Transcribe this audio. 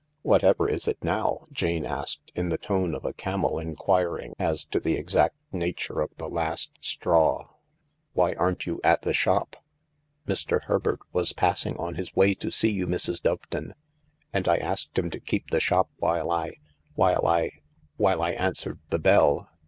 " Whatever isit now ?" Jane asked, in the tone of a camel enquiring as to the exact nature of the last straw. " Why aren't you at the shop ?"" Mr. Herbert was passing, on his way to see you, Mrs. Doveton, and I asked him to keep the shop while I — while I— while I answered the bell."